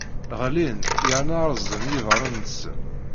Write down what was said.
Ɣlin yerna rrẓen yiḍarren-nsen.